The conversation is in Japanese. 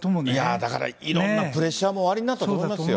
だから、いろんなプレッシャーもおありになったと思いますよ。